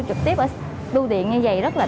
trực tiếp ở đu điện như vậy rất là